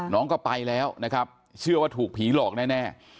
น้องก็ไปแล้วนะครับเชื่อว่าถูกผีหลอกแน่